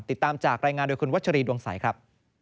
ติดตามจากรายงานโดยคุณวัชรีดวงใสครับ